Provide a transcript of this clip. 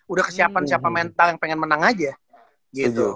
udah kesiapan siapa mental yang pengen menang aja gitu